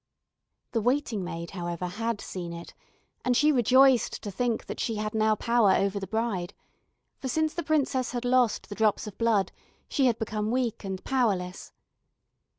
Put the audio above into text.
The waiting maid, however, had seen it, and she rejoiced to think that she had now power over the bride, for since the princess had lost the drops of blood, she had become weak and powerless.